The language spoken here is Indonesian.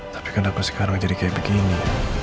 tapi kenapa sekarang jadi kayak begini